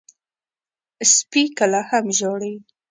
سپي کله هم ژاړي.